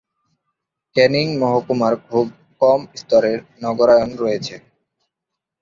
ক্যানিং মহকুমার খুব কম স্তরের নগরায়ণ রয়েছে।